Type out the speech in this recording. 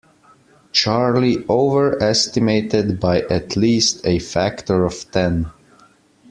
Charlie overestimated by at least a factor of ten.